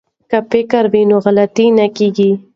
که فکر وي نو غلطي نه کیږي.